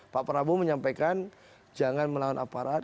pak prabowo menyampaikan jangan melawan aparat